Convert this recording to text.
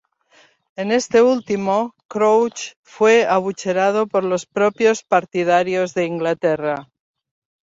En este último, Crouch fue abucheado por los propios partidarios de Inglaterra.